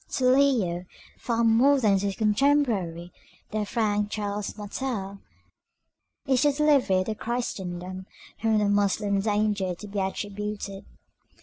To Leo, far more than to his contemporary the Frank Charles Martel, is the delivery of Christendom from the Moslem danger to be attributed.